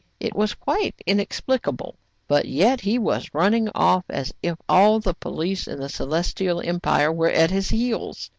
It was quite inexplicable ; but yet he was running off as if all the police in the Celestial Empire were at his heels.